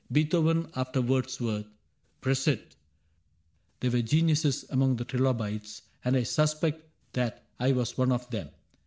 Beethoven after Wordsworth. Prosit ! There were geniuses among the trilobites. And I suspect that I was one of them.